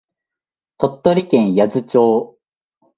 鳥取県八頭町